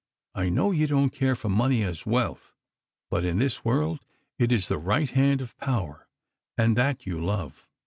I know you don't care for money as wealth, but in this world it is the right hand of power, and that you love.